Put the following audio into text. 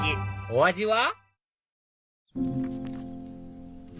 お味は？